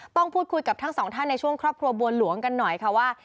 ต้องพูดคุยกับทั้งสองท่านในช่วงครอบครัวบัวหลวงกันหน่อยค่ะว่า